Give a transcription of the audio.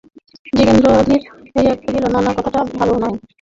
যোগেন্দ্র অধীর হইয়া কহিল, না না, কথাটা ভালো নয়।